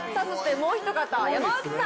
もうひと方山内さん！